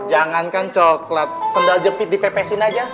jangankan coklat sendal jepit dipepesin aja